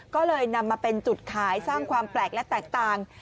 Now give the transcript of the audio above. ก็เลยนำมาเป็นจุดขายสร้างความแปลกและแตกต่าง